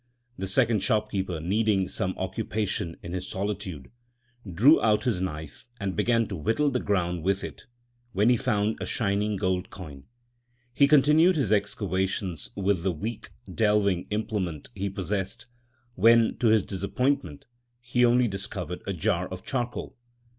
The second shopkeeper needing some occupa tion in his solitude, drew out his knife and began to whittle the ground with it, when he found a shining gold coin. He continued his excavations with the weak delving implement he possessed, when, to his disappointment, he only discovered a jar of charcoal.